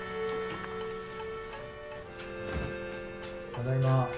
ただいま。